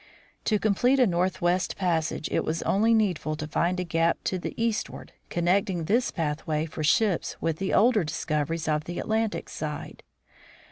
To complete a northwest passage it was only needful to find a gap to the eastward, connecting this pathway for ships with the older discoveries on the Atlantic side.